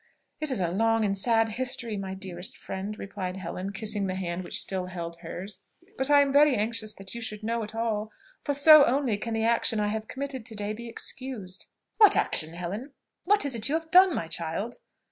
"It is a long and sad history, my dearest friend," replied Helen, kissing the hand which still held hers, "but I am very anxious that you should know it all; for so only can the action I have committed to day be excused." "What action, Helen? what is it you have done, my child?"